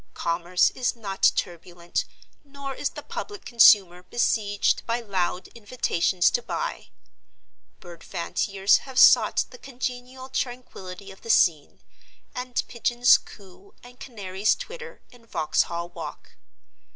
Commerce is not turbulent, nor is the public consumer besieged by loud invitations to "buy." Bird fanciers have sought the congenial tranquillity of the scene; and pigeons coo, and canaries twitter, in Vauxhall Walk.